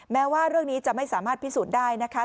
แม้ว่าเรื่องนี้จะไม่สามารถพิสูจน์ได้นะคะ